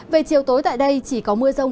về chiều tối tại đây chỉ có mưa rông